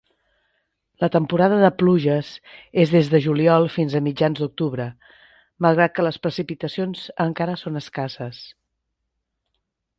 La temporada de pluges és des de juliol fins a mitjans d'octubre, malgrat que les precipitacions encara són escasses.